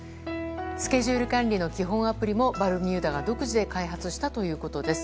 スケジュール管理の基本アプリもバルミューダが独自で開発したということです。